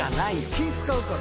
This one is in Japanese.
気使うから。